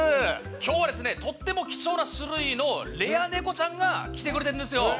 今日はとっても貴重な種類のレアネコちゃんが来てくれているんですよ。